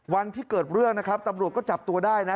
วันที่เกิดเรื่องนะครับตำรวจก็จับตัวได้นะ